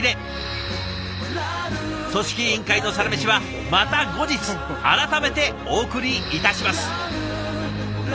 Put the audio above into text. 組織委員会のサラメシはまた後日改めてお送りいたします。